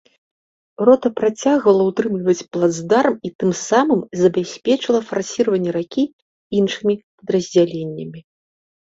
Рота працягвала ўтрымліваць плацдарм і тым самым забяспечыла фарсіраванне ракі іншымі падраздзяленнямі.